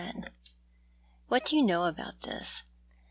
WHAT DO YOU KNOW ABOUT THIS